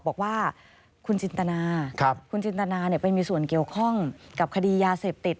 บอกว่าคุณจินตนาคุณจินตนาไปมีส่วนเกี่ยวข้องกับคดียาเสพติด